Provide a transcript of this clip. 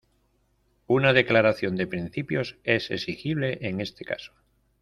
Una declaración de principios es exigible, en este caso.